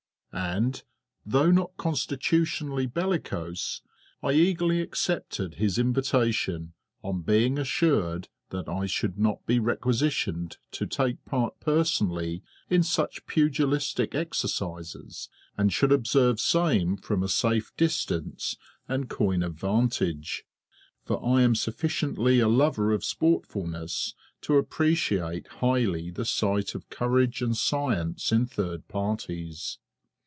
And, though not constitutionally bellicose, I eagerly accepted his invitation on being assured that I should not be requisitioned to take part personally in such pugilistic exercises, and should observe same from a safe distance and coign of vantage, for I am sufficiently a lover of sportfulness to appreciate highly the sight of courage and science in third parties.